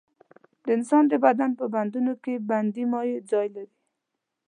د انسان د بدن په بندونو کې بندي مایع ځای لري.